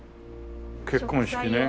結婚式ね。